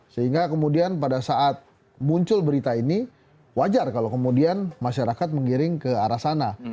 sehingga kemudian pada saat muncul berita ini wajar kalau kemudian masyarakat menggiring ke arah sana